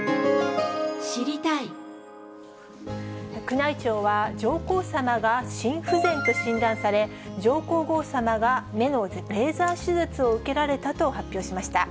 宮内庁は、上皇さまが心不全と診断され、上皇后さまが目のレーザー手術を受けられたと発表しました。